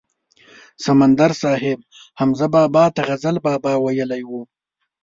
سمندر صاحب حمزه بابا ته غزل بابا ویلی و.